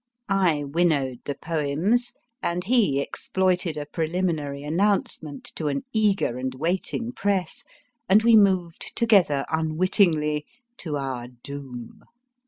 I win nowed the poems, and he exploited a preliminary announce ment to an eager and waiting Press, and we moved together unwittingly to our doom.